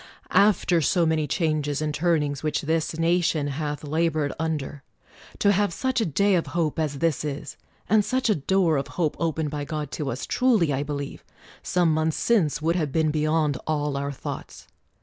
After so many changes and turnings which this nation hath labored under, to have such a day of hope as this is, and such a door of hope opened by God to us, truly I believe, some months since, would have been beyond all our thoughts